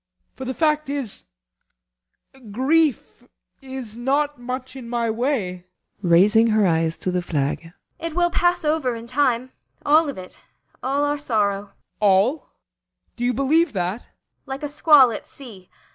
For the fact is, grief is not much in my way. ASTA. [Raising her eyes to the flag.] It will pass over in time all of it. All our sorrow. BORGHEIM. All? Do you believe that? ASTA. Like a squall at sea.